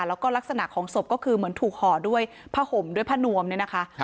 แล้วก็ลักษณะของศพก็คือเหมือนถูกห่อด้วยผ้าห่มด้วยผ้านวมเนี่ยนะคะ